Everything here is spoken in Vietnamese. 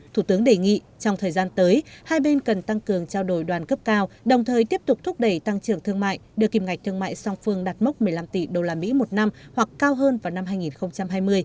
thủ tướng đề nghị trong thời gian tới hai bên cần tăng cường trao đổi đoàn cấp cao đồng thời tiếp tục thúc đẩy tăng trưởng thương mại đưa kìm ngạch thương mại song phương đạt mốc một mươi năm tỷ usd một năm hoặc cao hơn vào năm hai nghìn hai mươi